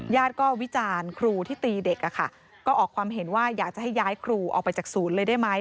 ญาติก็วิจารณ์ครูที่ตีเด็กอะค่ะก็ออกความเห็นว่าอยากจะให้ย้ายครูออกไปจากศูนย์เลยได้ไหม